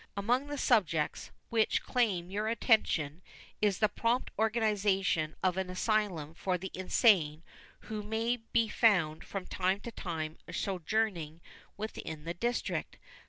Amongst the subjects which claim your attention is the prompt organization of an asylum for the insane who may be found from time to time sojourning within the District.